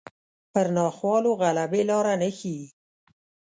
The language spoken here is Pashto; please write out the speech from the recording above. پر ناخوالو غلبې لاره نه ښيي